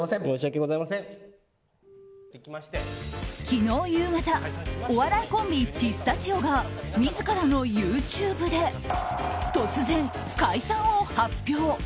昨日夕方、お笑いコンビピスタチオが自らのＹｏｕＴｕｂｅで突然、解散を発表。